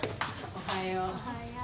おはよう。